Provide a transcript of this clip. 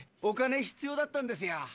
お金必要だったんですよ。